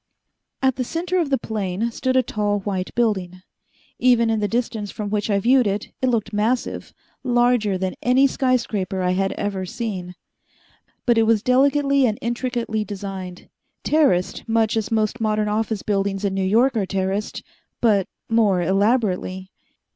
At the center of the plain stood a tall, white building. Even in the distance from which I viewed it, it looked massive larger than any skyscraper I had ever seen. But it was delicately and intricately designed, terraced much as most modern office buildings in New York are terraced, but more elaborately.